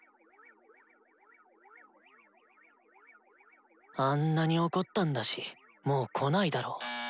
心の声あんなに怒ったんだしもう来ないだろ。